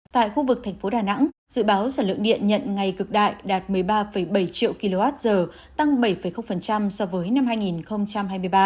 tại khu vực thành phố đà nẵng dự báo sản lượng điện nhận ngày cực đại đạt một mươi ba bảy triệu kwh tăng bảy so với năm hai nghìn hai mươi ba